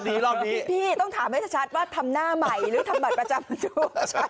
พี่ต้องถามให้ชัดว่าทำหน้าใหม่หรือทำบัตรประจำอายุ